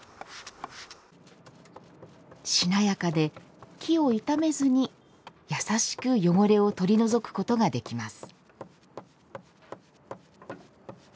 しなやかで、木を傷めずに優しく汚れを取り除くことができます。